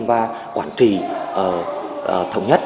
và quản trị thống nhất